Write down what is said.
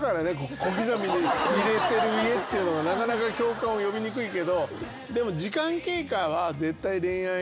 小刻みに揺れてる家っていうのがなかなか共感を呼びにくいけどでも。